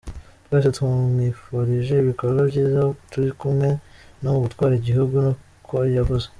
Twese tumwipfurije ibikorwa vyiza turi kumwe no mu gutwara igihugu,” ni ko yavuze.